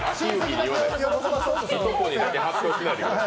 いとこにだけ発表しないでください。